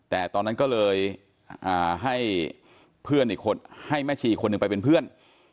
แต่ตอนนั้นก็เลยให้เพื่อนอีกคนให้แม่ชีคนหนึ่งไปเป็นเพื่อน